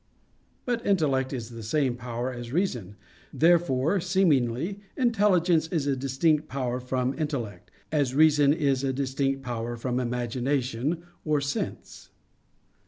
But intellect is the same power as reason. Therefore, seemingly, intelligence is a distinct power from intellect, as reason is a distinct power from imagination or sense.